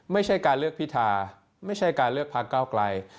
ไม่ใช่การเลือกพิธาไม่ใช่การเลือกพักเก้าไกล